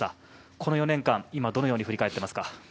この４年間、今どのように振り返っていますか？